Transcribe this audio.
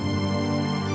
tidak akan diinginkan